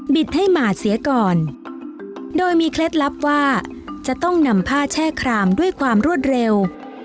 ให้หมาดเสียก่อนโดยมีเคล็ดลับว่าจะต้องนำผ้าแช่ครามด้วยความรวดเร็ว